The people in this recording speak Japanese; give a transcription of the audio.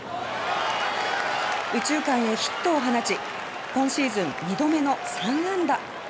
右中間へヒットを放ち今シーズン２度目の３安打。